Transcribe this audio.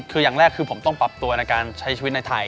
คืออย่างแรกคือผมต้องปรับตัวในการใช้ชีวิตในไทย